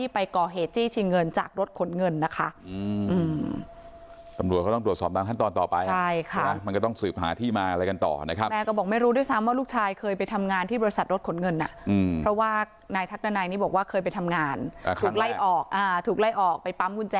เพราะว่านายทักตนายนี่บอกว่าเคยไปทำงานถูกไล่ออกไปปั๊มกุญแจอย่างนี้